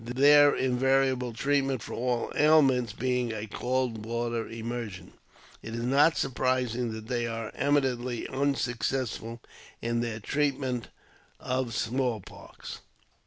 Their invariable JAMES P. BECKWOTJBTH. 41 treatment for all ailments being a cold water immersion, it is not surprising that they are eminently unsuccessful in their treatment of the small pox.'